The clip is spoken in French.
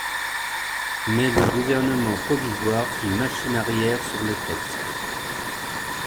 Mais le gouvernement provisoire fit machine arrière sur le texte.